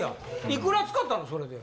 いくら使ったのそれで。